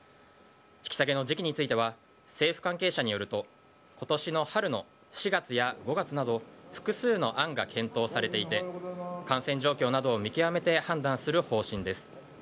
引き下げの時期については政府関係者によると今年の春の４月や５月など複数の案が検討されていて感染状況などを見極めて判断する方針です。